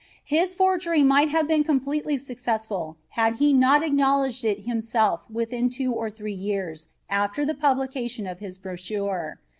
His forgery might have been completely successful had he not acknowledged it himself within two or three years after the publication of his brochure.